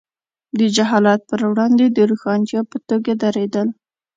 د جهالت پر وړاندې د روښانتیا په توګه درېدل.